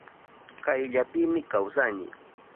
Kayllapimi kawsani.